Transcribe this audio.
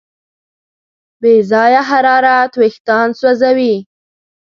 بې ځایه حرارت وېښتيان سوځوي.